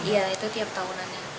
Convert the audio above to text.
iya itu tiap tahunannya